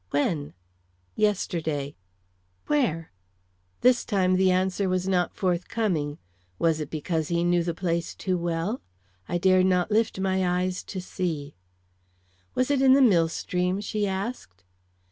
"When?" "Yesterday." "Where?" This time the answer was not forthcoming. Was it because he knew the place too well? I dared not lift my eyes to see. "Was it in the mill stream?" she asked.